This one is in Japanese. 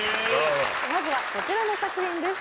まずはこちらの作品です。